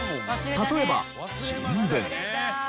例えば新聞。